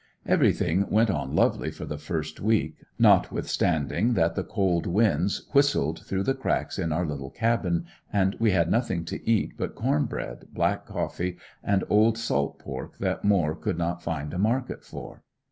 Everything went on lovely for the first week, notwithstanding that the cold winds whistled through the cracks in our little cabin, and we had nothing to eat but corn bread, black coffee and old salt pork that Moore could not find a market for.